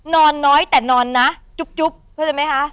นอนน้อยแต่นอนนะจุ๊บเข้าใจไหมคะ